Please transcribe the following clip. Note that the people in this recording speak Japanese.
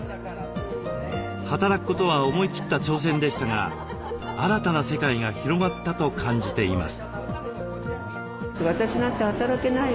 働くことは思い切った挑戦でしたが新たな世界が広がったと感じています。